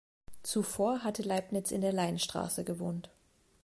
Zuvor hatte Leibniz in der Leinstraße gewohnt.